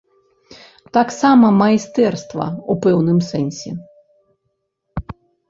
Таксама майстэрства ў пэўным сэнсе.